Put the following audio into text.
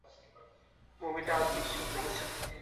মুভিটা আজ বিস্বাদ লেগেছে।